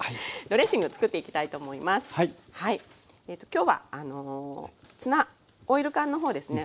今日はツナオイル缶の方ですね